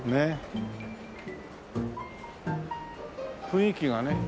雰囲気がね。